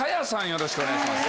よろしくお願いします。